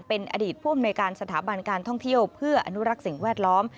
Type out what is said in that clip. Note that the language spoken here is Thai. เป็นอดีตผู้อำนวยการสถาบันการท่องเที่ยวเพื่ออนุรักษ์สิ่งแวดล้อม